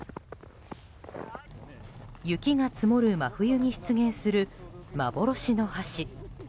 雪が積もる真冬に出現する幻の橋。